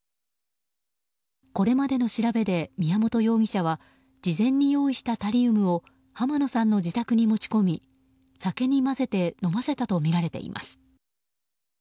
これまでの調べで宮本容疑者は事前に用意したタリウムを濱野さんの自宅に持ち込み酒に混ぜて飲ませたとみられています。